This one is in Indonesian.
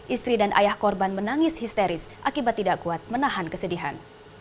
istri dan ayah korban menangis histeris akibat tidak kuat menahan kesedihan